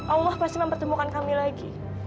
allah pasti mempertemukan kami lagi